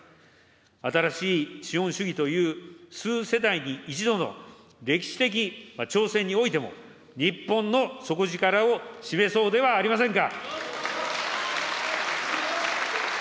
新しい資本主義という、数世代に一度の歴史的挑戦においても、日本の底力を示そうではありませんか。